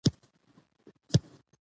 هغه چلند په بل رول کې بیا نه کوو.